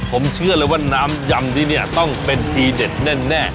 ผมเชื่อเลยว่าน้ำยำที่นี่ต้องเป็นทีเด็ดแน่